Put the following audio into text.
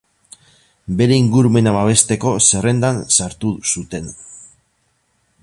Bere ingurumena babesteko zerrendan sartu zuten.